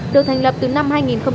được thành lập từ năm hai nghìn một mươi